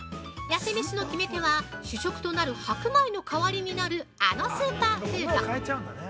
痩せめしの決め手は、主食となる白米の代わりになるあのスーパーフード！